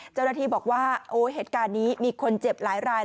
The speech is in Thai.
เจ้าหน้าที่บอกว่าโอ้เหตุการณ์นี้มีคนเจ็บหลายราย